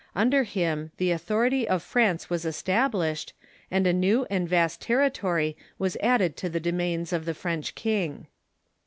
Under him the authority of France was established, and a new and vast territory was added to the domains of the French king.